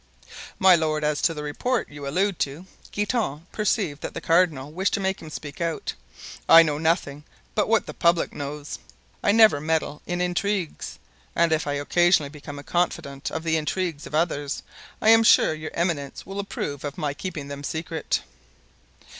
"My lord, as to the report you allude to"—Guitant perceived that the cardinal wished to make him speak out—"I know nothing but what the public knows. I never meddle in intrigues, and if I occasionally become a confidant of the intrigues of others I am sure your eminence will approve of my keeping them secret."